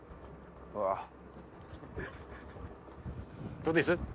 どうです？